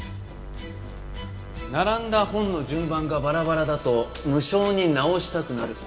並んだ本の順番がバラバラだと無性に直したくなる。